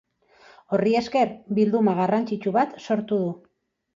Horri esker bilduma garrantzitsu bat sortu du.